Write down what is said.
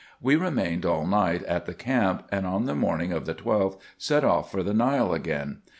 We remained all night at the camp, and, on the morning of the 12th, set off for the ]STile again.